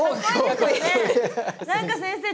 何か先生